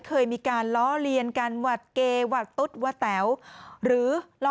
เคยมีการล้อเลียนการหวัดเกหวัดตุ๊ดวะแต๋วหรือล้อ